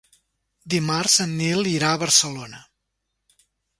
Dimarts en Nil irà a Barcelona.